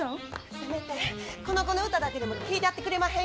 せめてこの子の歌だけでも聴いたってくれまへんやろか。